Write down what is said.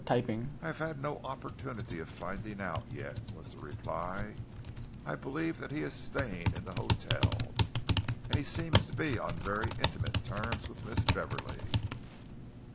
"I have had no opportunity of finding out yet," was the reply. "I believe that he is staying in the hotel, and he seems to be on very intimate terms with Miss Beverley."